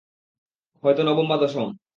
হয়তো নবম বা দশম।